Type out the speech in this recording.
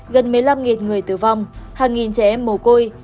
gần một mươi năm người tử vong hàng nghìn trẻ em mồ côi